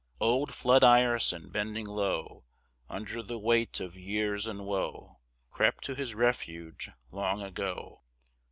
Old Flood Ireson, bending low Under the weight of years and woe, Crept to his refuge long ago.